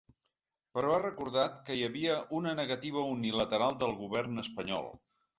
Però ha recordat que hi havia ‘una negativa unilateral’ del govern espanyol.